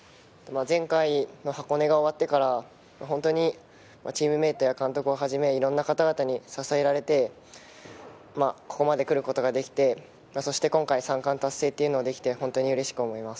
前回の箱根が終わってから本当にチームメートや監督をはじめ、いろいろな方々に支えられて、ここまで来ることができて、今回３冠達成ができて本当にうれしく思います。